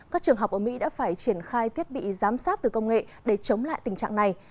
các trường học ở mỹ đã phải triển khai thiết bị giám sát từ công nghệ để chống lại tình trạng này